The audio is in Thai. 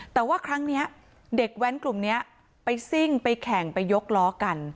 แต่ว่าครั้งนี้เด็กแว้นกลุ่มนี้ไปซิ่งไปแข่งไปยกล้อกัน